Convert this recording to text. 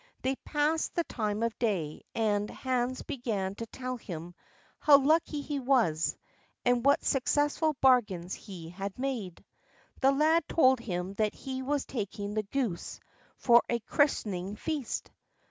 They passed the time of day, and Hans began to tell him how lucky he was, and what successful bargains he had made. The lad told him that he was taking the goose for a christening feast.